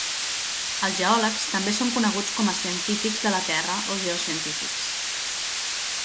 Els geòlegs també són coneguts com a científics de la terra o geocientífics.